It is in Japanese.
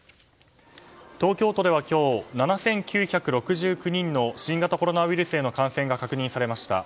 東京都では今日、７９６９人の新型コロナウイルスへの感染が確認されました。